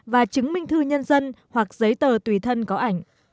và chứng minh thư nhân dân hoặc giấy tờ tùy thân có ảnh